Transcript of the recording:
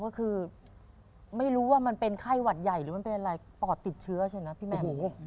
ก็คือไม่รู้มันเป็นไข้หวัดใหญ่หรือปอดติดเชื้อใช่ไหมพี่แม่